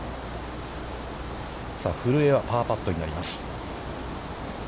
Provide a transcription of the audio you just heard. さあ古江はパーパットになります。